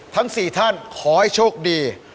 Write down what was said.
ทั้ง๔ท่านขอให้โชคดี